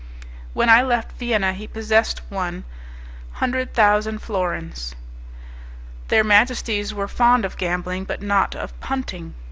When I left Vienna he possessed one hundred thousand florins. Their majesties were fond of gambling but not of punting.